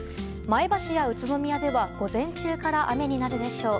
前橋や宇都宮では午前中から雨になるでしょう。